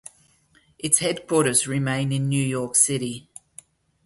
Its headquarters remain in New York City.